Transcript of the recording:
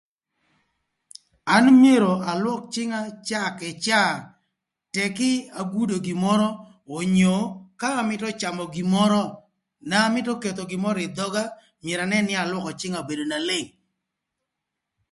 An myero alwök cïnga caa kï caa tëk kï agudo gin mörö onyo ka amïtö camö gin mörö na an amïtö ketho gin mörö ï dhöga myero anën nï alwökö cïnga obedo na leng.